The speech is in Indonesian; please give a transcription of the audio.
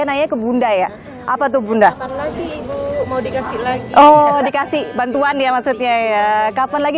nanya ke bunda ya apa tuh bunda baru lagi mau dikasih lagi oh dikasih bantuan ya maksudnya ya kapan lagi